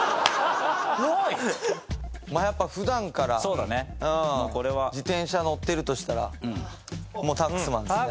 まあやっぱ普段から自転車乗ってるとしたらもうＴＡＸＭＡＮですね。